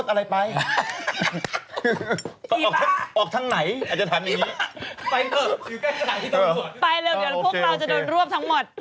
และหยุดว่าพวกเราจะโดนรวบทั้งหมด